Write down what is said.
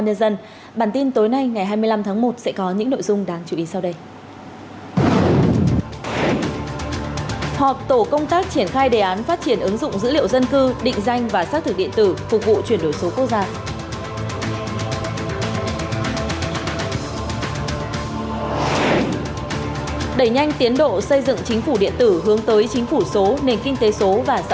đẩy nhanh tiến độ xây dựng chính phủ điện tử hướng tới chính phủ số nền kinh tế số và xã hội số